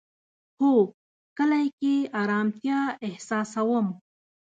هو، کلی کی ارامتیا احساسوم